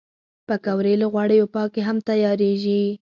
پکورې له غوړیو پاکې هم تیارېږي